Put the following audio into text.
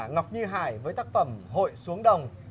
ngọc như hải với tác phẩm hội xuống đồng